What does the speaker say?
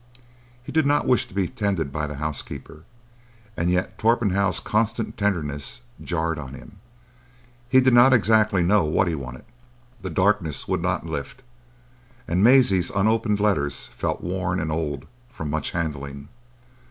He did not wish to be tended by the housekeeper, and yet Torpenhow's constant tenderness jarred on him. He did not exactly know what he wanted. The darkness would not lift, and Maisie's unopened letters felt worn and old from much handling.